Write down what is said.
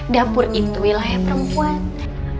dapur itu wilayah perempuan